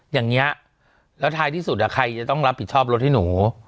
อย่างนี้แล้วท้ายที่สุดใครจะต้องรับผิดชอบรถให้หนู